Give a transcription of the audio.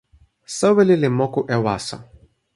soweli li moku e waso.